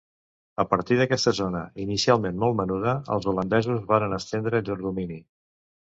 A partir d'aquesta zona, inicialment molt menuda, els holandesos varen estendre llur domini.